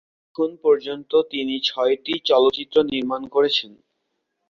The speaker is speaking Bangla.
এখন পর্যন্ত তিনি ছয়টি চলচ্চিত্র নির্মাণ করেছেন।